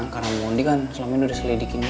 karena mondi kan selama ini udah selidik ini ya